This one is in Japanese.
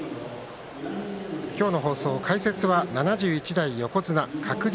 今日の放送、解説は７１代横綱鶴竜